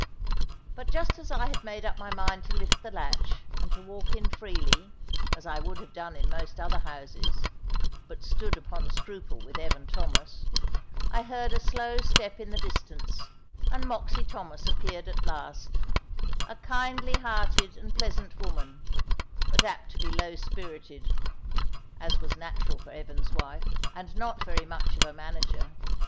But just as I had made up my mind to lift the latch, and to walk in freely, as I would have done in most other houses, but stood upon scruple with Evan Thomas, I heard a slow step in the distance, and Moxy Thomas appeared at last a kindly hearted and pleasant woman, but apt to be low spirited (as was natural for Evan's wife), and not very much of a manager.